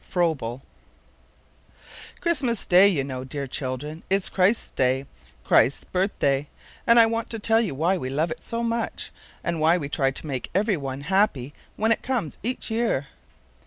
—Froebel. Christmas Day, you know, dear children, is Christ's day, Christ's birthday, and I want to tell you why we love it so much, and why we try to make every one happy when it comes each year.